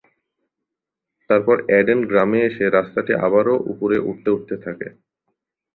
তারপর অ্যাডেন গ্রামে এসে রাস্তাটি আবারো উপরে উঠতে উঠতে থাকে।